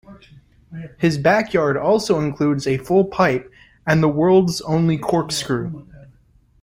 His backyard also includes a full pipe and the worlds only corkscrew.